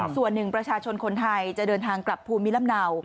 ส่วนหนึ่งประชาชนคนไทยจะเดินทางกลับภูมิลำเนา